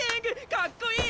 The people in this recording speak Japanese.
かっこいい！